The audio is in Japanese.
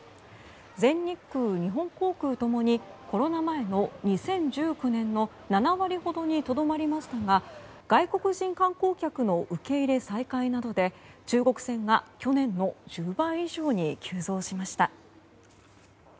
全日空、日本航空ともにコロナ前の２０１９年の７割ほどにとどまりましたが外国人観光客の受け入れ再開などで中国線が去年の１０倍以上に急増しました。